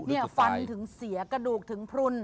ฟันถึงเสียกระดูกถึงพลุน